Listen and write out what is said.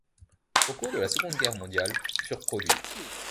Au cours de la Seconde Guerre mondiale, furent produites.